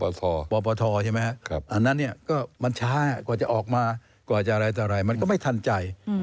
ปปทใช่ไหมครับอันนั้นเนี่ยก็มันช้ากว่าจะออกมากว่าจะอะไรต่ออะไรมันก็ไม่ทันใจ